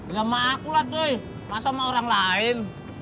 ya emak aku lah cuy masa emak orang lain